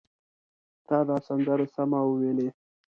تا دا سندره سمه وویلې!